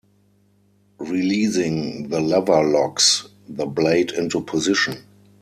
Releasing the lever locks the blade into position.